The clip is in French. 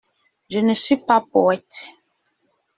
Je ne suis pas poète.